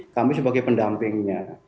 kami sebagai pendampingnya